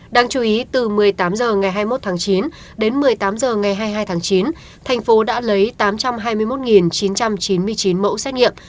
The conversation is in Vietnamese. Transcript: đáng chú ý từ một mươi tám h ngày hai mươi một tháng chín đến một mươi tám h ngày hai mươi hai tháng chín thành phố đã lấy tám trăm hai mươi một chín trăm chín mươi chín mẫu xét nghiệm